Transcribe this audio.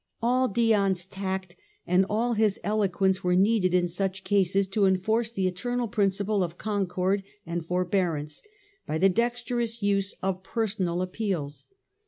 All Dion's tact and all his eloquence were needed in such cases, to enforce the eternal princi ples of concord and forbearance by the dexterous use of personal appeals.